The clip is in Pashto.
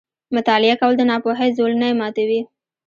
• مطالعه کول، د ناپوهۍ زولنې ماتوي.